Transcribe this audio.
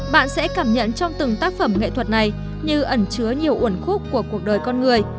bạn sẽ cảm nhận trong từng tác phẩm nghệ thuật này như ẩn chứa nhiều uẩn khúc của cuộc đời con người